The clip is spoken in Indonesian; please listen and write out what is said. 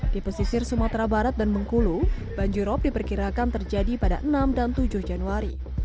di pesisir sumatera barat dan bengkulu banjirop diperkirakan terjadi pada enam dan tujuh januari